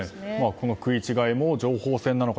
この食い違いも情報戦なのか。